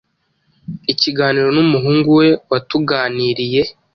Ikiganiro n’umuhungu we watuganiriye